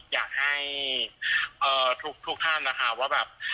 อยากให้ทุกท่านนะคะว่าแบบ